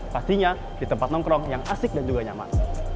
pastinya di tempat nongkrong yang asik dan juga nyaman